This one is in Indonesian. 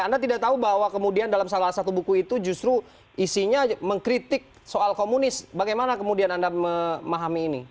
anda tidak tahu bahwa kemudian dalam salah satu buku itu justru isinya mengkritik soal komunis bagaimana kemudian anda memahami ini